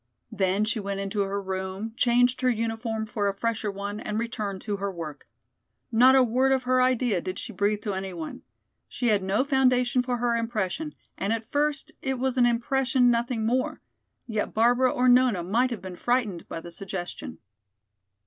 Then she went into her room, changed her uniform for a fresher one and returned to her work. Not a word of her idea did she breathe to any one. She had no foundation for her impression, and at first it was an impression, nothing more. Yet Barbara or Nona might have been frightened by the suggestion.